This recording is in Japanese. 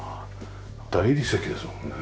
大理石ですもんね。